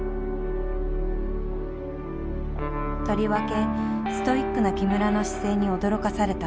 とりわけストイックな木村の姿勢に驚かされた。